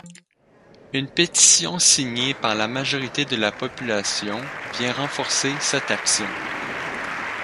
Une pétition signée par la majorité de la population vient renforcer cette action.